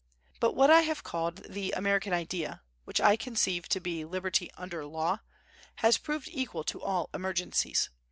But what I have called "the American idea" which I conceive to be Liberty under Law has proved equal to all emergencies.